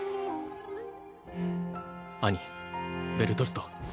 アニベルトルト。